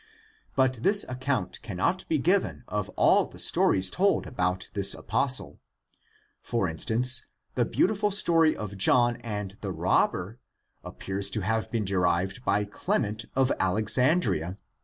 But this ac count cannot be given of all the stories told about this apos tle. For instance, the beautiful story of John and the robber appears to have been derived by Clement of Alexandria {Quis dives salv.